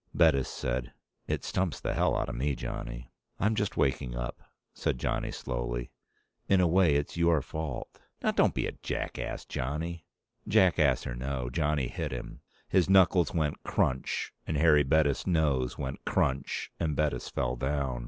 Bettis said, "It stumps the hell out of me, Johnny." "I'm just waking up," said Johnny slowly. "In a way, it's your fault." "Now, don't be a jackass, Johnny." Jackass or no, Johnny hit him. His knuckles went crunch and Harry Bettis' nose went crunch and Bettis fell down.